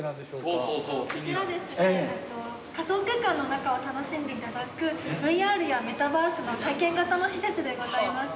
こちら仮想空間の中を楽しんでいただくＶＲやメタバースの体験型の施設でございます。